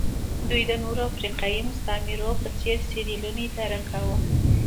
دوی د نورو افریقایي مستعمرو په څېر سیریلیون اداره کاوه.